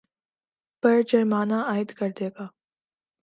پر جرمانہ عاید کردے گا